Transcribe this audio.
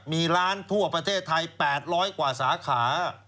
มีร้านทั่วประเทศไทย๘๐๐กว่าสาขา